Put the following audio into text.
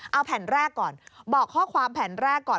เอาแผ่นแรกก่อนบอกข้อความแผ่นแรกก่อน